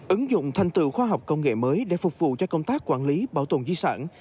ứng dụng thành tựu khoa học công nghệ mới để phục vụ cho công tác quản lý bảo tồn di sản